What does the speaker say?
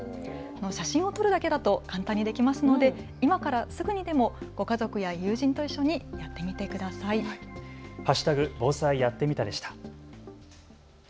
写真を撮るだけだと簡単にできますので今からすぐにでもご家族や友人と一緒にやってみてください。＃防災やってみたでした。